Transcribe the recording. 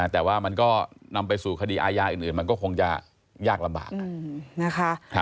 แต่ว่ามันก็นำไปสู่คดีอาญาอื่นมันก็คงจะยากลำบากนะคะ